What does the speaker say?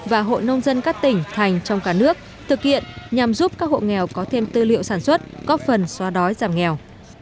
và hội nông dân các tỉnh thành trong cả nước thực hiện nhằm giúp các hộ nghèo có thêm tư liệu sản xuất góp phần xóa đói giảm nghèo